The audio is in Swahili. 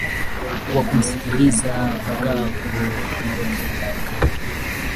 wa kumshinikiza bagbo aondoke madarakani